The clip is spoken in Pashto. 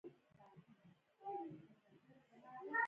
• ونه د طبیعي زینت لامل دی.